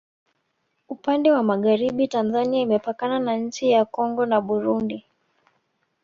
upande wa magharibi tanzania imepakana na nchi ya kongo na burundi